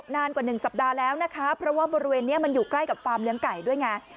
นานกว่าหนึ่งสัปดาห์แล้วนะคะเพราะว่าบริเวณนี้มันอยู่ใกล้กับฟาร์มเลี้ยงไก่ด้วยไง